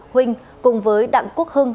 huynh cùng với đặng quốc hưng